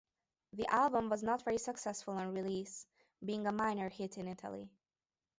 The album was not very successful on release, being a minor hit in Italy.